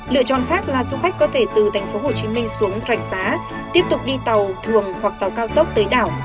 lựa chọn khác là du khách có thể từ tp hcm xuống rạch xá tiếp tục đi tàu thường hoặc tàu cao tốc tới đảo